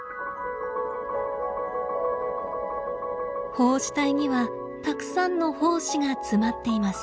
胞子体にはたくさんの胞子が詰まっています。